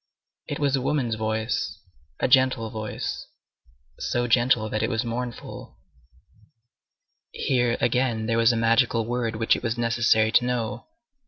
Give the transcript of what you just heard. It was a woman's voice, a gentle voice, so gentle that it was mournful. Here, again, there was a magical word which it was necessary to know.